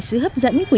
sự hấp dẫn của trẻ